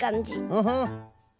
フフッ。